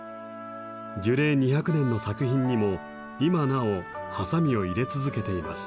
樹齢２００年の作品にも今なおハサミを入れ続けています。